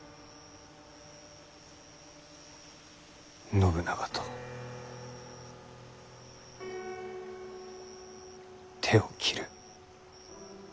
信長と手を切る。